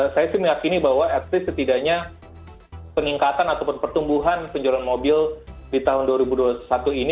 saya sih meyakini bahwa at least setidaknya peningkatan ataupun pertumbuhan penjualan mobil di tahun dua ribu dua puluh satu ini